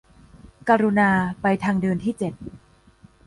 กรุณาไปที่ทางเดินที่เจ็ด